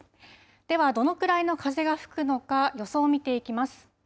ではどのくらいの風が吹くのか予想を見ていきます。